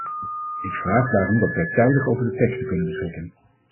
Ik vraag daarom dat wij tijdig over de teksten kunnen beschikken.